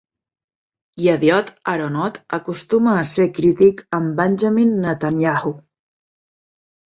Yediot Aharonot acostuma a ser crític amb Benjamin Netanyahu.